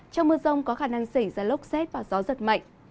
trong mưa rông có khả năng xảy ra lốc xét và gió giật mạnh